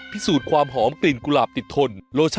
ตุ้งนัง